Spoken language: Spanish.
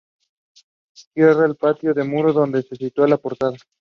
Cierra el patio un muro donde se sitúa la portada.